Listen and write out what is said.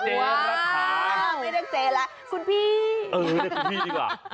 เจ๊รักษาไม่ได้เรียกเจ๊แล้วคุณพี่เออคุณพี่ดีกว่า